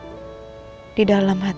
cinta ini tidak pernah mati